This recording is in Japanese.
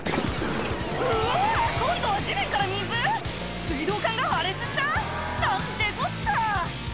「うわ今度は地面から水⁉」「水道管が破裂した⁉何てこった！」